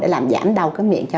để làm giảm đau